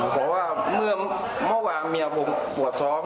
เพราะว่าเมื่อวานเมียผมปวดท้อง